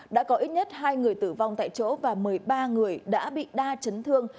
đã có ít nhất hai người tử vong tại chỗ và một mươi ba người đã bị đa chấn thương